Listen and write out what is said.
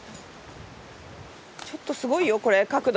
ちょっとすごいよこれ角度。